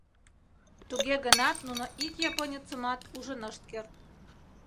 Туге гынат нуно ик японецымат ужын ышт керт.